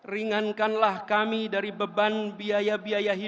ringankanlah kami dari beban biaya yang terlalu besar